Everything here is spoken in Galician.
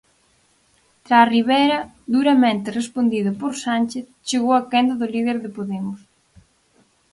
Tras Rivera, duramente respondido por Sánchez, chegou a quenda do líder de Podemos.